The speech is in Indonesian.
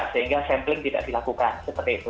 sehingga sampling tidak dilakukan seperti itu